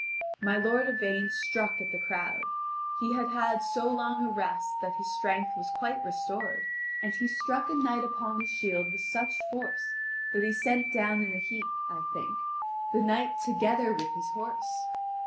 My lord Yvain struck at the crowd; he had had so long a rest that his strength was quite restored, and he struck a knight upon his shield with such force that he sent down in a heap, I think, the knight together with his horse.